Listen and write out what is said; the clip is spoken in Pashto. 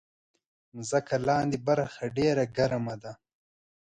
مځکه لاندې برخه ډېره ګرمه ده.